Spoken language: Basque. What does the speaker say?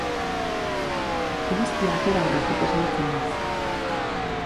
Eguzkia atera aurretik esnatzen naiz.